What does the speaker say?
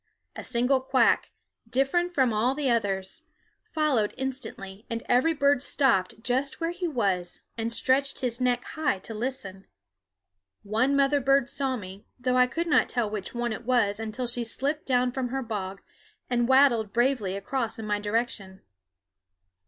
A single quack, different from all others, followed instantly, and every bird stopped just where he was and stretched his neck high to listen. One mother bird saw me, though I could not tell which one it was until she slipped down from her bog and waddled bravely across in my direction.